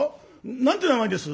何て名前です？」。